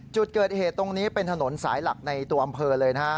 จุดเกิดเหตุตรงนี้เป็นถนนสายหลักในตัวอำเภอเลยนะฮะ